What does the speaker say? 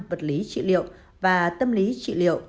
vật lý trị liệu và tâm lý trị liệu